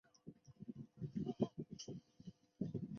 雄蝶有第二性征。